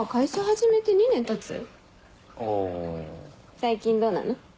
最近どうなの？